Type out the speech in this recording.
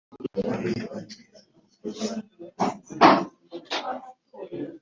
guhangana n’ibibazo by’abaho narabirambiwe